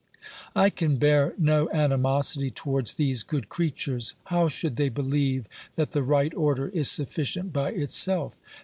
I can bear no animosity towards these good creatures : how should they believe that the right order is sufficient by itself?